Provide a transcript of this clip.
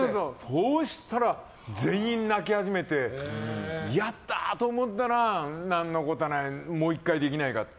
そうしたら、全員泣き始めてやった！と思ったら何のことはないもう１回できないかって。